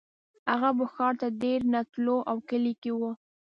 هغه به ښار ته ډېر نه تلو او کلي کې و